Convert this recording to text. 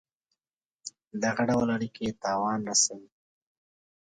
دغه ډول اړېکي تاوان رسوي.